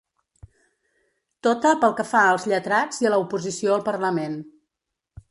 Tota pel que fa als lletrats i a la oposició al parlament.